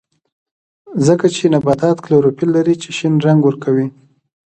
ځکه چې نباتات کلوروفیل لري چې شین رنګ ورکوي